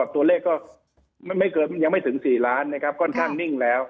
ตัวเลขก็ยังไม่ถึง๔ล้านนะครับค่อนข้างนิ่งแล้ว